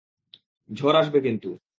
ঝড় আসবে কিন্তু।